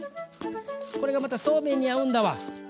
これがまたそうめんに合うんだわ。